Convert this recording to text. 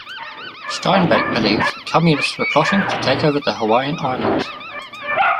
Stainback believed Communists were plotting to take over the Hawaiian Islands.